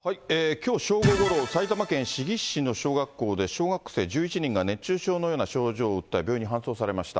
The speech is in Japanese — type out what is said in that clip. きょう正午ごろ、埼玉県志木市の小学校で小学生１１人が熱中症のような症状を訴え、病院に搬送されました。